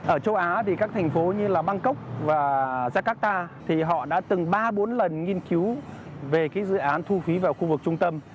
ở châu á thì các thành phố như là bangkok và jakarta thì họ đã từng ba bốn lần nghiên cứu về cái dự án thu phí vào khu vực trung tâm